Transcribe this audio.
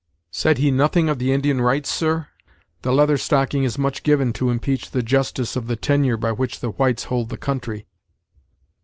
"Said he nothing of the Indian rights, sir? The Leather Stocking is much given to impeach the justice of the tenure by which the whites hold the country."